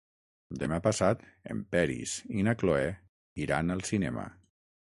Demà passat en Peris i na Cloè iran al cinema.